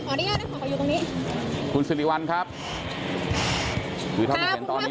ขออยู่ตรงนี้แล้วกันค่ะขออนุญาตนะครับขออยู่ตรงนี้